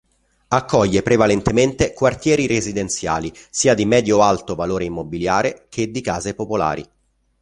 Accoglie prevalentemente quartieri residenziali, sia di medio-alto valore immobiliare che di case popolari.